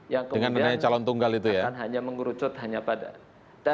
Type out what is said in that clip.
yang kemudian akan hanya mengurucut hanya pada